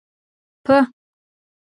په